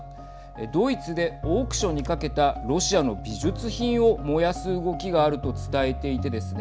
ドイツでオークションにかけたロシアの美術品を燃やす動きがあると伝えていてですね